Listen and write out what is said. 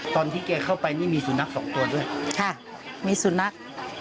ตอนที่แกเข้าไปนี่มีสุนัขสองตัวด้วยค่ะมีสุนัข